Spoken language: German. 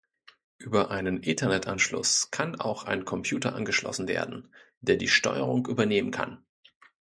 Über einen Ethernet-Anschluss kann auch ein Computer angeschlossen werden, der die Steuerung übernehmen kann.